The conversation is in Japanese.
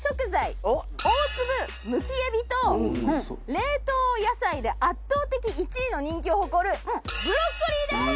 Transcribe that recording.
大粒むきえびと冷凍野菜で圧倒的１位の人気を誇るブロッコリーです！